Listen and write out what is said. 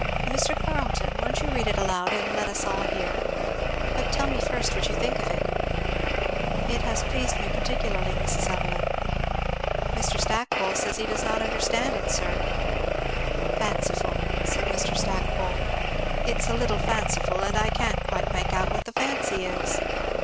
Mr. Carleton, won't you read it aloud, and let us all hear but tell me first what you think of it." "It has pleased me particularly, Mrs. Evelyn." "Mr. Stackpole says he does not understand it, sir." "Fanciful," said Mr. Stackpole, "it's a little fanciful and I can't quite make out what the fancy is."